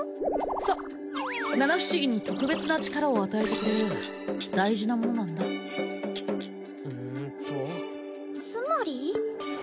そう七不思議に特別な力を与えてくれる大事なものなんだうんとつまり？